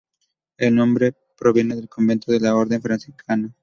El nombre proviene del convento de la orden franciscana.